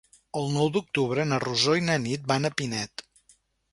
El nou d'octubre na Rosó i na Nit van a Pinet.